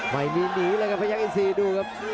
ไม่มีหนีแหละครับพยายามที่สี่ดูครับ